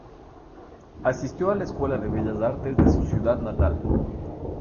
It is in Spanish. Asistió a la escuela de Bellas Artes de su ciudad natal.